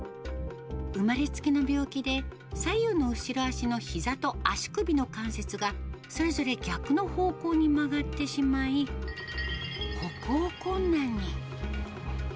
生まれつきの病気で左右の後ろ脚のひざと足首の関節が、それぞれ逆の方向に曲がってしまい、歩行困難に。